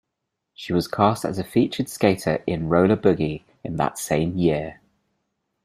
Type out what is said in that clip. She was cast as a featured skater in "Roller Boogie" in that same year.